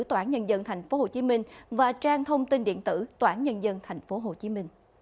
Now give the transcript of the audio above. tòa án nhân dân tp hcm và trang thông tin điện tử tòa án nhân dân tp hcm